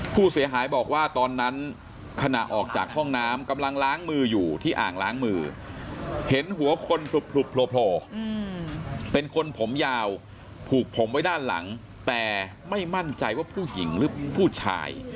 ผู้เสียหายบอกว่าตอนนั้นขณะออกจากห้องน้ำกำลังล้างมืออยู่ที่อ่างล้างมือเห็นหัวคนผลุบโผล่เป็นคนผมยาวผูกผมไว้ด้านหลังแต่ไม่มั่นใจว่าผู้หญิงหรือผู้ชาย